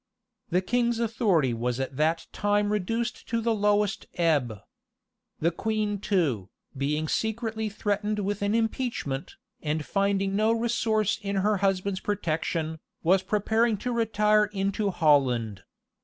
The king's authority was at that time reduced to the lowest ebb. The queen too, being secretly threatened with an impeachment, and finding no resource in her husband's protection, was preparing to retire into Holland.